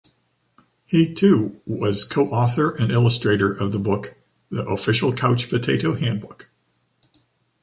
He, too, was co-author and illustrator of the book "The Official Couch Potato Handbook".